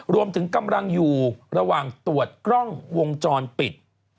รวมถึงกำลังอยู่ระหว่างตรวจกล้องวงจรปิด